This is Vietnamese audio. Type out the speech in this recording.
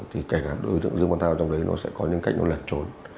thì cả đối tượng dương quan thao trong đấy nó sẽ có những cách nó đẩn trốn